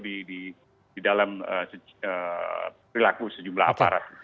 di dalam perilaku sejumlah aparat